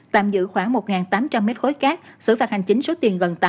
tạm giữ khoảng một tám trăm linh mét khối cát